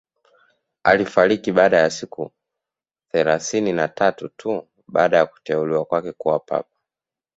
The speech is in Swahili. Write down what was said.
Alifariki baada ya siku thelathini na tatu tu baada ya kuteuliwa kwake kuwa papa